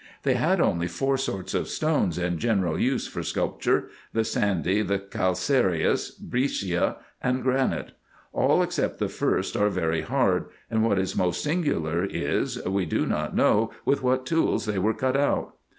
They had only four sorts of stones in general use for sculpture, the sandy, the calcareous, breccia, and granite. All except the first are very hard, and what is most singular is, we do not know with what tools they were cut out.